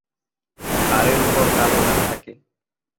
ঘাড়ের উপর কালো দাগ থাকে।